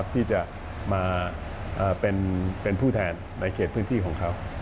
ที่จะมาเป็นผู้แทนในเขตพื้นที่ของเขา